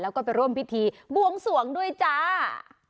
แล้วก็ไปร่วมพิธีบวงสวงด้วยจ้า